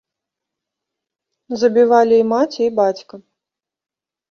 Забівалі і маці, і бацька.